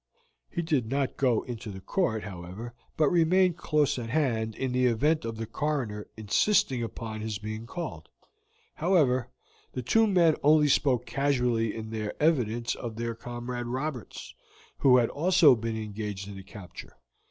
He did not go into the court, however, but remained close at hand in the event of the coroner insisting upon his being called. However, the two men only spoke casually in their evidence of their comrade Roberts, who had been also engaged in the capture.